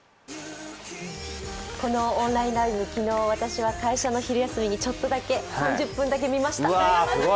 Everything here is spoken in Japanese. このオンラインライブ、私は昨日、会社の昼休みにちょっとだけ３０分だけ見ました。